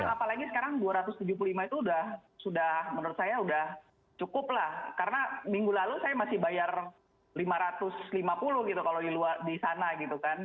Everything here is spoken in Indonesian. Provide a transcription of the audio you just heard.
apalagi sekarang dua ratus tujuh puluh lima itu sudah menurut saya sudah cukup lah karena minggu lalu saya masih bayar lima ratus lima puluh gitu kalau di sana gitu kan